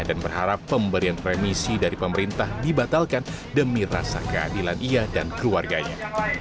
dan berharap pemberian remisi dari pemerintah dibatalkan demi rasa keadilan ia dan keluarganya